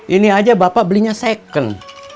ini aja bapak belinya second